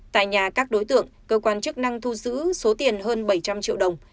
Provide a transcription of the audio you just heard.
tại nhà các đối tượng cơ quan chức năng thu giữ số tiền hơn bảy trăm linh triệu đồng